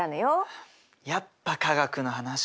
やっぱ科学の話か。